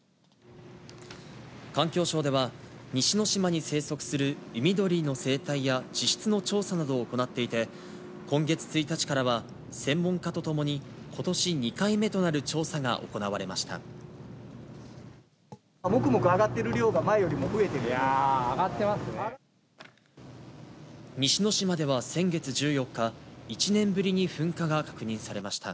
環境省では西之島に生息する海鳥の生態や地質の調査などを行っていて、今月１日からは、専門家と共にことし２回目となる調査が行われました。